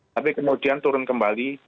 tapi kemudian turun kembali